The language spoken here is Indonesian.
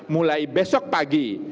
mulai besok pagi